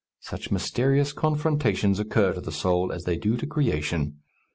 Such mysterious confrontations occur to the soul as they do to creation.